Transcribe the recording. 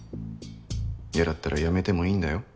やだったらやめてもいいんだよ？